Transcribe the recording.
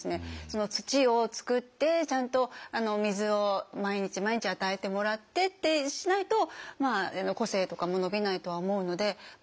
その土を作ってちゃんと水を毎日毎日与えてもらってってしないと個性とかも伸びないとは思うので。